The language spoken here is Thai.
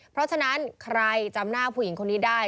เพราะฉะนั้นใครจำหน้าผู้หญิงคนนี้ได้